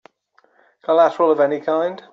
Collateral of any kind?